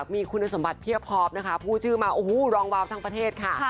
มีคุณสมบัติเพียบพอปนะคะพูดชื่อมาโอ้โหรองวาวทั้งประเทศค่ะ